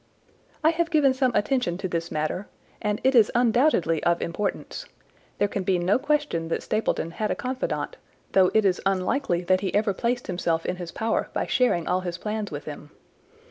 "I have given some attention to this matter and it is undoubtedly of importance. There can be no question that Stapleton had a confidant, though it is unlikely that he ever placed himself in his power by sharing all his plans with him.